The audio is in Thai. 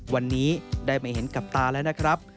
วันนี้ได้มาเห็นกับตาแล้วนะครับ